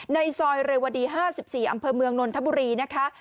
ในซอยเรวดี๕๔อำเภอเมืองนนทบุรีนะคะ